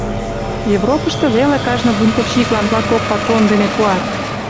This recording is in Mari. — Европышто веле кажне бунтовщиклан латкок патрон дене пуат!